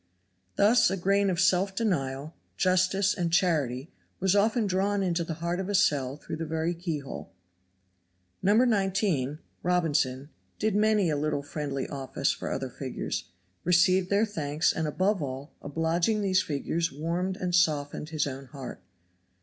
Thus a grain of self denial, justice and charity was often drawn into the heart of a cell through the very keyhole. No. 19, Robinson, did many a little friendly office for other figures, received their thanks, and, above all, obliging these figures warmed and softened his own heart.